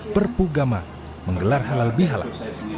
perpugama menggelar halal bihalal